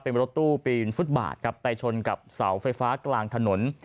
เป็นรถตู้ปีนฟุตบาทครับไปชนกับเสาไฟฟ้ากลางถนน